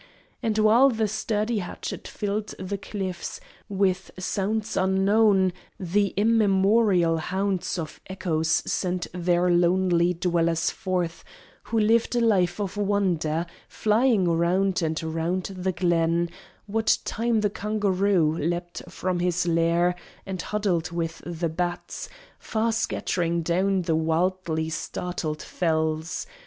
And while the sturdy hatchet filled the clifts With sounds unknown, the immemorial haunts Of echoes sent their lonely dwellers forth, Who lived a life of wonder: flying round And round the glen what time the kangaroo Leapt from his lair and huddled with the bats Far scattering down the wildly startled fells.